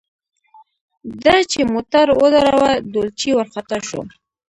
ده چې موټر ودراوه ډولچي ورخطا شو.